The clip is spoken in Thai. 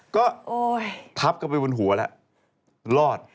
ก็ทับเข้าไปบนหัวแล้วรอด